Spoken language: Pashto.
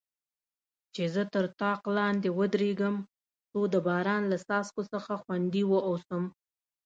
چې زه تر طاق لاندې ودریږم، څو د باران له څاڅکو څخه خوندي واوسم.